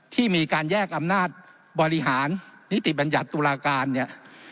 ที่มีการแยกอำนาจบริหารนิติบัญญัติตุลาการเนี่ย